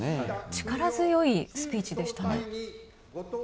力強いスピーチでしたね。